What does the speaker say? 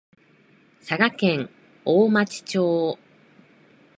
佐賀県大町町